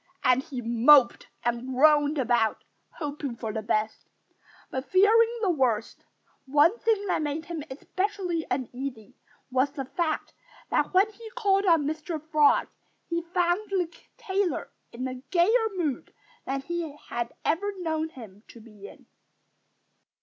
And he moped and groaned about, hoping for the best, but fearing the worst. One thing that made him especially uneasy was the fact that when he called on Mr. Frog he found the tailor in a gayer mood than he had ever known him to be in.